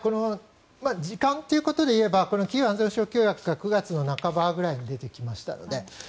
時間ということでいえばキーウ安全保障協約というものが９月の半ばぐらいに出てきましたよね。